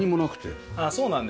そうなんです。